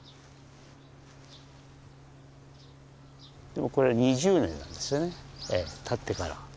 でもこれ２０年なんですよね建ってから。